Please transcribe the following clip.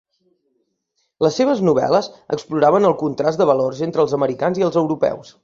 Les seves novel·les exploraven el contrast de valors entre els americans i els europeus.